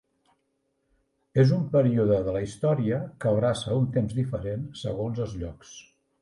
És un període de la història que abraça un temps diferent segons els llocs.